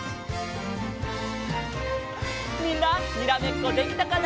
みんなにらめっこできたかな？